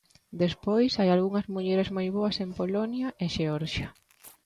Despois, hai algunhas mulleres moi boas en Polonia e Xeorxia.